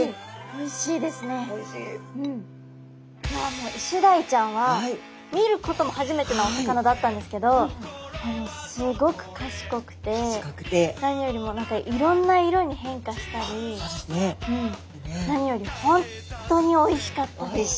もうイシダイちゃんは見ることも初めてのお魚だったんですけどすごく賢くて何よりもいろんな色に変化したり何より本当においしかったです！